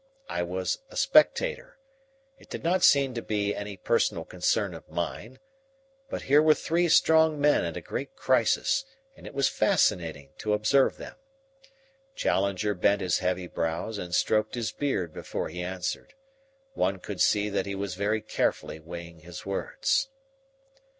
I was a spectator. It did not seem to be any personal concern of mine. But here were three strong men at a great crisis, and it was fascinating to observe them. Challenger bent his heavy brows and stroked his beard before he answered. One could see that he was very carefully weighing his words.